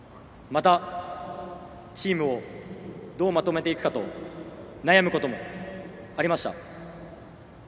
また、チームをどうまとめていくかと悩むこともありました。